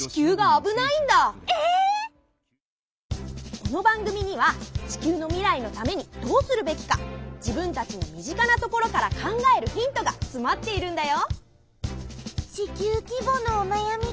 この番組には地球の未来のためにどうするべきか自分たちの身近なところから考えるヒントがつまっているんだよ。